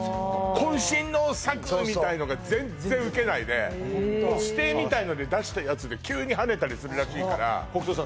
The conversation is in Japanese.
渾身の作みたいなのが全然ウケないで捨てみたいので出したやつで急にハネたりするらしいから北斗さん